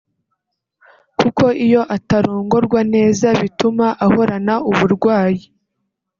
kuko iyo atarongorwa neza bituma ahorana uburwayi